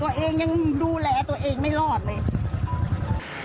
ตัวเองยังดูแลตัวเองไม่รอดเลย